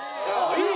いい！